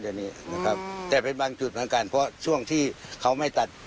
อันนี้นะครับแต่เป็นบางจุดเหมือนกันเพราะช่วงที่เขาไม่ตัด